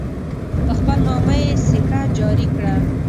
په خپل نامه یې سکه جاري کړه.